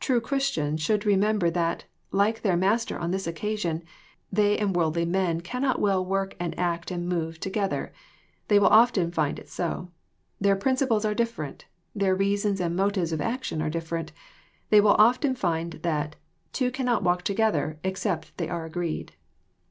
True Christians should remember that, like their Master on this occasion, they and worldly men cannot well work and act and move together. They will often find it so. Their principles are different. Their reasons and motives of action are different. They will often find that two cannot walk together except they are agreed."